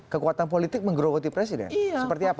kekuatan politik menggerogoti presiden seperti apa